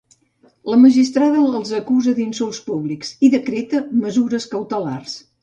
La magistrada els acusa d'insults públics i decreta mesures cautelars.